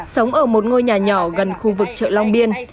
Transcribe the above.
sống ở một ngôi nhà nhỏ gần khu vực chợ long biên